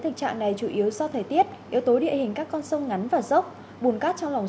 thực trạng này chủ yếu do thời tiết yếu tố địa hình các con sông ngắn và dốc bùn cát trong lòng